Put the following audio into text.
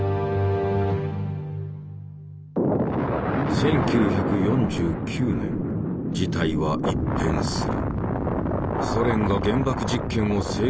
１９４９年事態は一変する。